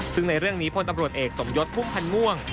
ซึ่งในเรื่องนี้พลตำรวจเอกสมยศพุ่มพันธ์ม่วง